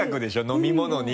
飲み物に。